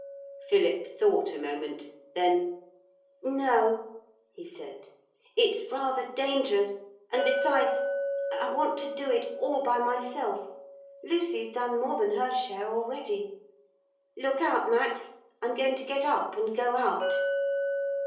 Philip thought a moment. Then: 'No,' he said, 'it's rather dangerous; and besides I want to do it all by myself. Lucy's done more than her share already. Look out, Max; I'm going to get up and go out.'